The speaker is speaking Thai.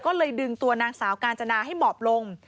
ก็เลยดึงตัวนางสาวกาญจนาให้หมอบลง